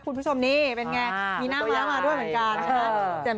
คุณผู้ชมนี่เป็นไงมีหน้าม้ามาด้วยเหมือนกันนะครับ